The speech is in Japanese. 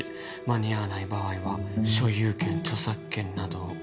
「間に合わない場合は、所有権、著作権などを」